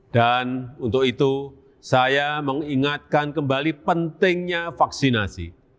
dan untuk itu saya mengingatkan kembali pentingnya vaksinasi